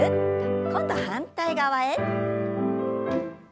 今度反対側へ。